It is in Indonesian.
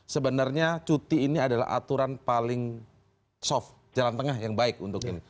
sebenarnya cuti ini adalah aturan paling soft jalan tengah yang baik untuk ini